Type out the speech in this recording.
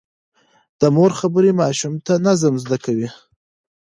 د مور خبرې ماشوم ته نظم زده کوي.